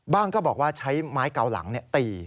ก็บอกว่าใช้ไม้เกาหลังตี